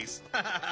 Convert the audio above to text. ハハハ。